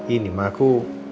ini mah aku